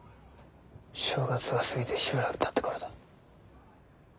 正月が過ぎてしばらくたった頃だ。